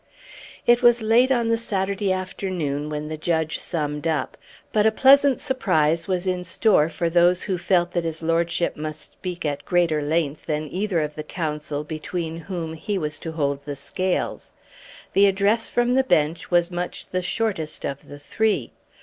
It was late on the Saturday afternoon when the judge summed up; but a pleasant surprise was in store for those who felt that his lordship must speak at greater length than either of the counsel between whom he was to hold the scales. The address from the bench was much the shortest of the three.